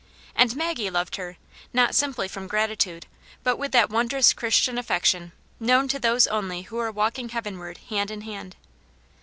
And Maggie loved her, not simply from grati tude, but with that wondrous Christian affection known to those only who are walking heavenward hand in hand.